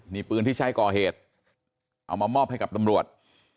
นี่ปืนที่ใช้ก่อเหตุเอามามอบให้กับตำรวจ